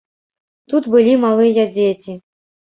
Тут былі малыя дзеці.